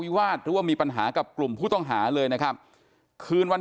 กลุ่มวัยรุ่นกลัวว่าจะไม่ได้รับความเป็นธรรมทางด้านคดีจะคืบหน้า